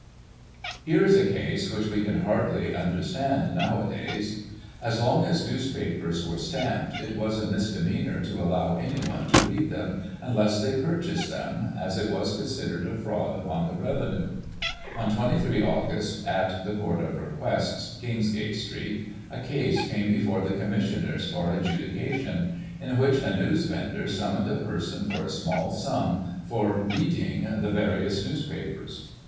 Here is a case which we can hardly understand nowadays. As long as Newspapers were stamped, it was a misdemeanour to allow anyone to read them, unless they purchased them, as it was considered a fraud upon the Revenue. On 23 Aug., in the Court of Requests, Kingsgate Street, a case came before the Commissioners for adjudication, in which a newsvendor summoned a person for a small sum, for " reading " the various newspapers.